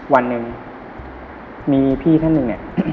วันหนึ่งมีพี่ท่านหนึ่งเนี่ย